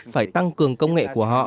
phải tăng cường công nghệ của họ